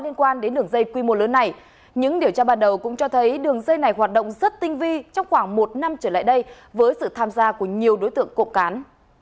liên quan đến đường dây quy mô lớn này những điều tra ban đầu cũng cho thấy đường dây này hoạt động rất tinh vi trong khoảng một năm trở lại đây với sự tham gia của nhiều đối tượng cộng cán